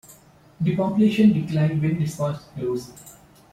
The population declined when this was closed.